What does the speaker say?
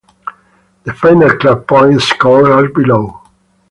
The final club point scores are below.